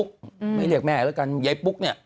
คุณหนุ่มกัญชัยได้เล่าใหญ่ใจความไปสักส่วนใหญ่แล้ว